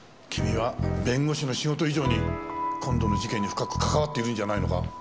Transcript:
君は弁護士の仕事以上に今度の事件に深く関わっているんじゃないのか？